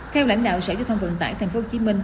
theo lãnh đạo sở giao thông vận tải tp hcm